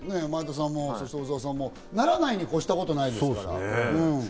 前田さんも小澤さんも、ならないに越したことはないですからね。